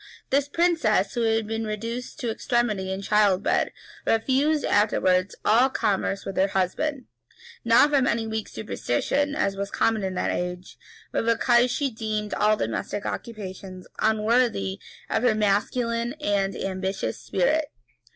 This princess, who had been reduced to extremity in childbed, refused afterwards all commerce with her husband; not from any weak superstition, as was common in that age, but because she deemed all domestic occupations unworthy of her masculine and ambitious spirit.